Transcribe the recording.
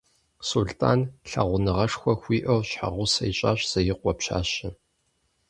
Сулътӏан лъагъуныгъэшхуэ хуиӏэу щхьэгъусэ ищӏащ Зеикъуэ пщащэ.